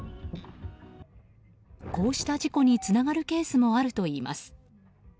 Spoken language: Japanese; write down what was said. こうした事故につながるケースもあるといいます。